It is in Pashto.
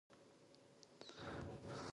که خویندې غازیانې شي نو جګړه به نه بایلي.